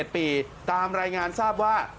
๑ปีตามรายงานทราบว่า